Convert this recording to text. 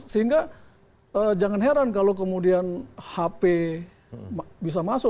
sehingga jangan heran kalau kemudian hp bisa masuk